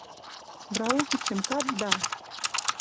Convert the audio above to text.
Браухичӹм кадда!..